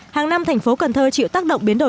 hàng năm thành phố cần thơ chịu tác động biến đổi